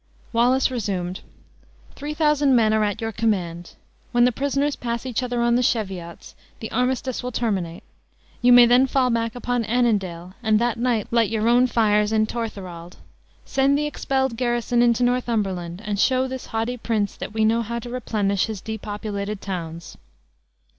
Wallace resumed: "Three thousand men are at your command. When the prisoners pass each other on the Cheviots, the armistice will terminate. You may then fall back upon Annandale, and that night, light your own fires in Torthorald! Send the expelled garrison into Northumberland, and show this haughty prince that we know how to replenish his depopulated towns!"